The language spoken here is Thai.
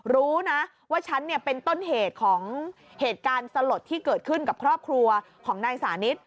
รู้นะว่าฉันเนี่ยเป็นต้นเหตุของเหตุการณ์สลดที่เกิดขึ้นกับครอบครัวของนายสานิท